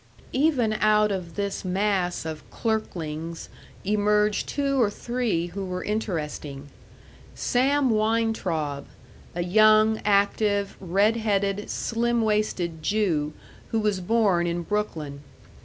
Even out of this mass of clerklings emerged two or three who were interesting: Sam Weintraub, a young, active, red headed, slim waisted Jew, who was born in Brooklyn.